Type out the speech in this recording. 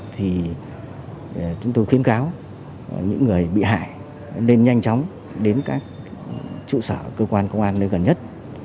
thì chúng tôi khuyến cáo những người bị hại nên nhanh chóng đến các trụ sở cơ quan công an nơi gần nhất